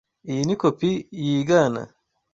Iyi ni kopi yigana.